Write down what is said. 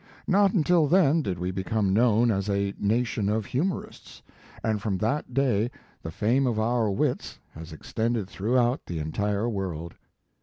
Not until then did we become known as a nation of humorists, and from that day the fame of our wits has extended throughout the entire world.